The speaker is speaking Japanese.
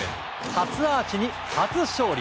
初アーチに初勝利。